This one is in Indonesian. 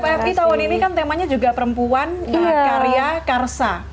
kita tau ffi tahun ini kan temanya juga perempuan karya karsa